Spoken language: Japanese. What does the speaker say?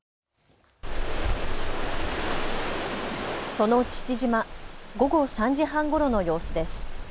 その父島、午後３時半ごろの様子です。